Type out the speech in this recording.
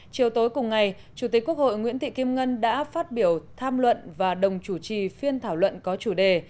chiều tối cùng ngày chủ tịch quốc hội nguyễn thị kim ngân đã phát biểu tham luận và đồng chủ trì phiên thảo luận có chủ đề